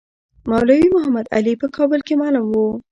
مولوی محمدعلي په کابل کې معلم وو.